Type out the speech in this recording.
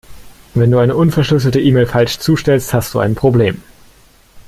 Wenn du eine unverschlüsselte E-Mail falsch zustellst, hast du ein Problem.